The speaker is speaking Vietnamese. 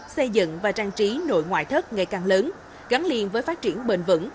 xây dựng và trang trí nội ngoại thất ngày càng lớn gắn liền với phát triển bền vững